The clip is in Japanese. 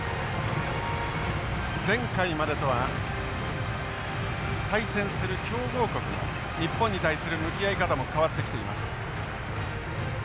前回までとは対戦する強豪国日本に対する向き合い方も変わってきています。